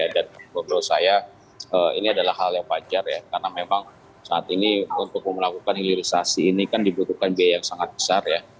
dan menurut saya ini adalah hal yang wajar ya karena memang saat ini untuk melakukan hilirisasi ini kan dibutuhkan biaya yang sangat besar ya